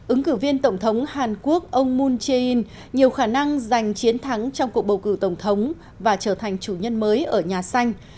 ứng cử viên tổng thống hàn quốc ông moon jae in nhiều khả năng giành chiến thắng trong cuộc bầu cử tổng thống và trở thành chủ nhân mới ở nhà xanh